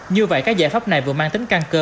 như vậy các giải pháp này vừa mang tính căn cơ